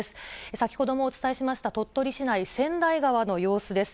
先ほどもお伝えしました鳥取市内、千代川の様子です。